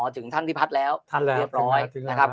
อ๋อถึงท่านพี่พัฒน์แล้วเรียบร้อย